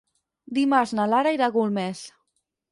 Dimarts na Lara irà a Golmés.